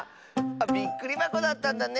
びっくりばこだったんだね。